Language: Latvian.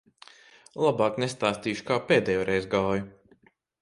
Labāk nestāstīšu, kā pēdējoreiz gāja.